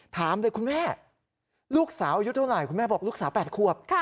ถามเลยคุณแม่ลูกสาวอายุเท่าไหร่คุณแม่บอกลูกสาว๘ขวบ